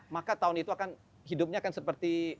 maka tahun itu akan hidupnya akan seperti